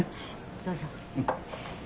どうぞ。